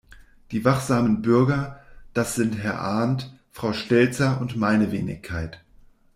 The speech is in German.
Die wachsamen Bürger, das sind Herr Arndt, Frau Stelzer und meine Wenigkeit.